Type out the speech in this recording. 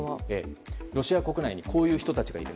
ロシア国内にはこういう人たちが。